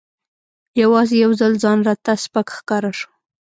یوازې یو ځل ځان راته سپک ښکاره شو.